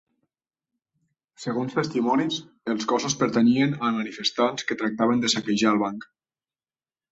Segons testimonis, els cossos pertanyien a manifestants que tractaven de saquejar el banc.